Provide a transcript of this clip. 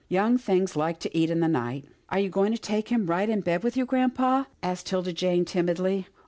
Young things like to eat in the night." " Are you going to take him right in bed with you, grampa?" asked 'Tilda Jane timidly.